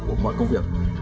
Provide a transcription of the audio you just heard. của mọi công việc